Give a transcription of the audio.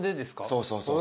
そうそうそう。